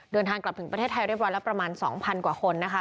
เดินทางกลับถึงประเทศไทยได้ประมาณ๒๐๐๐กว่าคนนะคะ